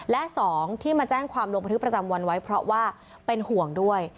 และสองที่มาแจ้งความลงบันทึกประจำวันไว้เพราะว่าเป็นห่วงด้วย